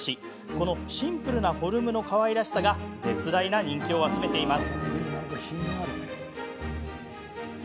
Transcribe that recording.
このシンプルなフォルムのかわいらしさが絶大な人気を集めています。